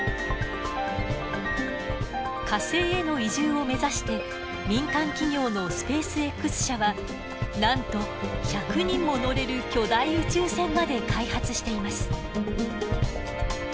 火星への移住を目指して民間企業のスペースＸ社はなんと１００人も乗れる巨大宇宙船まで開発しています。